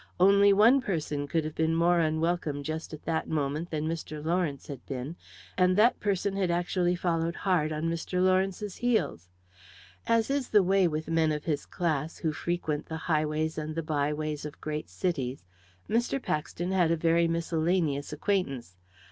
Only one person could have been more unwelcome just at the moment than Mr. Lawrence had been, and that person had actually followed hard on Mr. Lawrence's heels. As is the way with men of his class, who frequent the highways and the byways of great cities, Mr. Paxton had a very miscellaneous acquaintance.